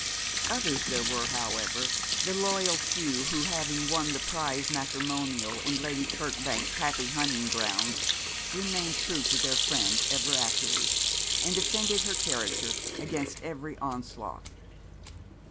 Others there were, however, the loyal few, who having won the prize matrimonial in Lady Kirkbank's happy hunting grounds, remained true to their friend ever afterwards, and defended her character against every onslaught.